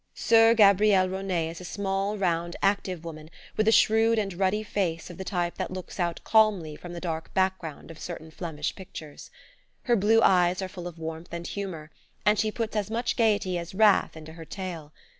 Soeur Gabrielle Rosnet is a small round active woman, with a shrewd and ruddy face of the type that looks out calmly from the dark background of certain Flemish pictures. Her blue eyes are full of warmth and humour, and she puts as much gaiety as wrath into her tale.